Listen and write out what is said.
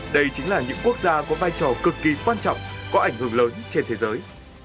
đây chính là những quốc gia có vai trò cực kỳ quan trọng có ảnh hưởng lớn trên thế giới